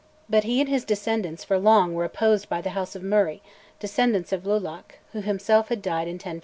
But he and his descendants for long were opposed by the House of Murray, descendants of Lulach, who himself had died in 1058.